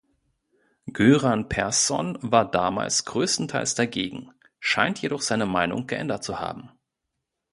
Göran Persson war damals größtenteils dagegen, scheint jedoch seine Meinung geändert zu haben.